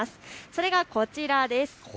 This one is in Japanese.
それがこちらです。